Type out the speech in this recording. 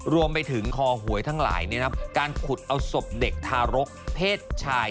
รวมไปถึงคอหวยทั้งหลายการขุดเอาศพเด็กทารกเพศชาย